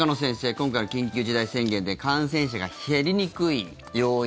今回の緊急事態宣言で感染者が減りにくい要因。